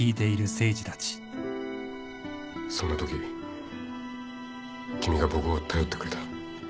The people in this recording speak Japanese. そんなとき君が僕を頼ってくれた。